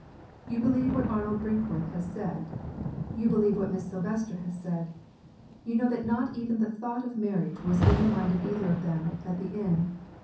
"You believe what Arnold Brinkworth has said; you believe what Miss Silvester has said. You know that not even the thought of marriage was in the mind of either of them, at the inn.